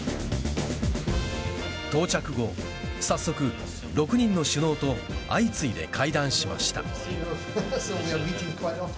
到着後、早速６人の首脳と相次いで会談しました。